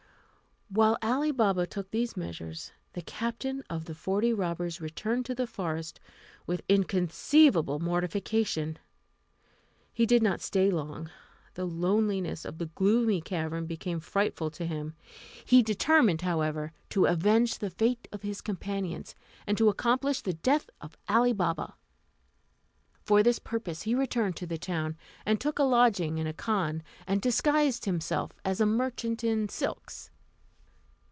While Ali Baba took these measures, the captain of the forty robbers returned to the forest with inconceivable mortification. He did not stay long; the loneliness of the gloomy cavern became frightful to him. He determined, however, to avenge the fate of his companions, and to accomplish the death of Ali Baba. For this purpose he returned to the town, and took a lodging in a khan, and disguised himself as a merchant in silks.